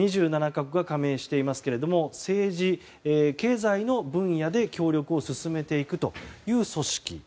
２７か国が加盟していますが政治・経済の分野で協力を進めていくという組織。